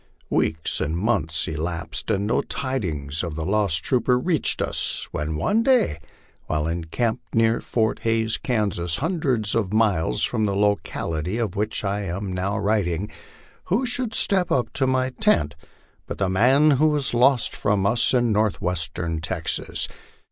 Weeks and months elapsed, and no tidings of the lost trooper reached us, when one day, while encamped near Fort Hays, Kansas, hundreds of miles from the locality of which I am now writing, who should step up to my tent but the man who was lost from us in northwestern Texas.